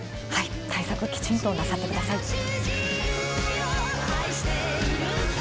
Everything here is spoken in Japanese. はい、対策をきちんとなさってください。